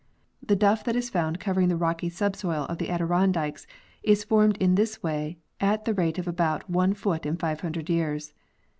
The duff that is found covering the rocky subsoil of the Adirondacks is formed in this way at the rate of about one foot in 500 years.